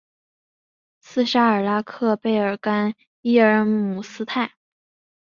斯沙尔拉克贝尔甘伊尔姆斯泰。